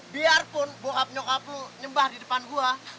biarpun bokap nyokap lu nyembah di depan gue